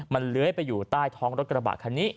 มันเลื้อยไปอยู่ใต้ท้องรถกระบะคันนี้